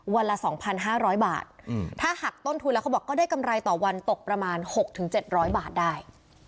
ละ๒๕๐๐บาทถ้าหักต้นทุนแล้วเขาบอกก็ได้กำไรต่อวันตกประมาณ๖๗๐๐บาทได้